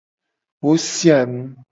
Wo sia nu.